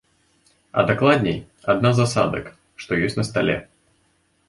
А дакладней, адна з асадак, што ёсць на стале.